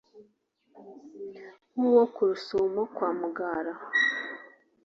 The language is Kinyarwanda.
Nk'uwo ku Rusumo kwa Mugara